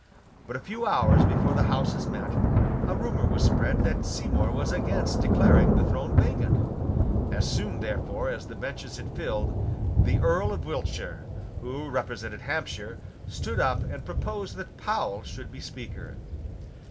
But, a few hours before the Houses met, a rumour was spread that Seymour was against declaring the throne vacant. As soon, therefore, as the benches had filled, the Earl of Wiltshire, who represented Hampshire, stood up, and proposed that Powle should be Speaker.